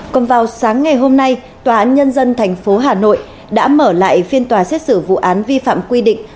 còn vào sáng ngày hôm nay tòa án nhân dân tp hà nội đã mở lại phiên tòa xét xử vụ án vi phạm quy định